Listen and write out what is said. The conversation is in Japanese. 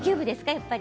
やっぱり。